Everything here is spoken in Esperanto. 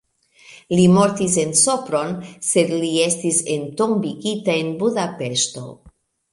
Li mortis en Sopron, sed li estis entombigita en Budapeŝto.